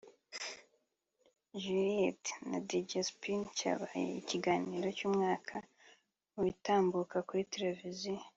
Juliet na Dj Spin cyabaye ikiganiro cy'umwaka mu bitambuka kuri Tereviziyo